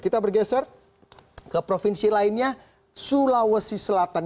kita bergeser ke provinsi lainnya sulawesi selatan